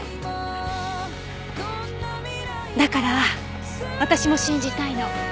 だから私も信じたいの。